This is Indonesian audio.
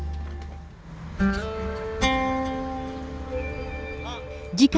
ia tidak perlu berkata hanya perlu membuktikan